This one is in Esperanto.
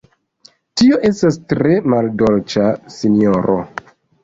Tio estas tre maldolĉa, sinjoro!